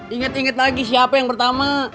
ingat ingat lagi siapa yang pertama